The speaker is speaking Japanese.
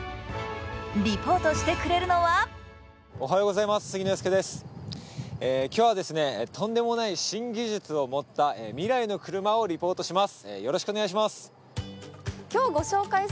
リポートしてくれるのは今日はとんでもない新技術を持った未来の車をリポートします。